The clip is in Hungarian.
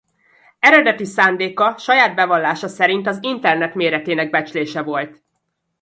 Eredeti szándéka saját bevallása szerint az internet méretének becslése volt.